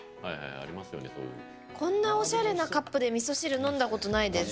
こんなおしゃれなカップでみそ汁飲んだことないです。